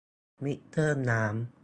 มิเตอร์น้ำ